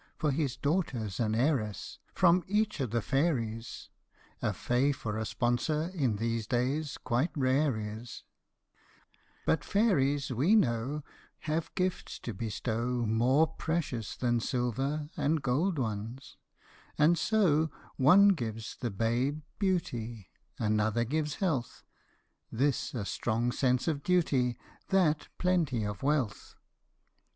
For his daughter and heiress From each of the fairies ; (A fay for a sponsor in these days quite rare is 1) But fairies, we know, Have gifts to bestow More precious than silver and gold ones and so One gives the babe beauty, Another gives health, This a strong sense of duty, That plenty of wealth.